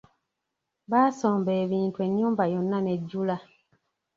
Baasomba ebintu ennyumba yonna nejjula.